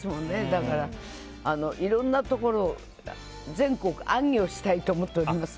だからいろんなところ、全国行脚をしたいと思っております。